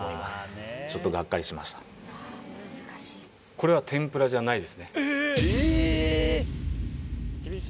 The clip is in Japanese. これは天ぷらじゃないですね